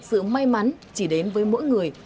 sự may mắn chỉ đến với mỗi người